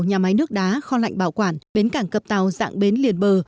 nhà máy nước đá kho lạnh bảo quản bến cảng cập tàu dạng bến liền bờ